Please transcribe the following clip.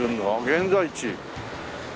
現在地。